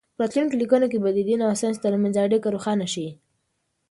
په راتلونکو لیکنو کې به د دین او ساینس ترمنځ اړیکه روښانه شي.